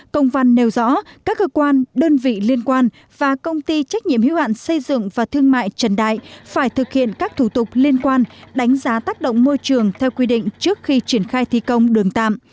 công văn nêu rõ các cơ quan đơn vị liên quan và công ty trách nhiệm hiếu hạn xây dựng và thương mại trần đại phải thực hiện các thủ tục liên quan đánh giá tác động môi trường theo quy định trước khi triển khai thi công đường tạm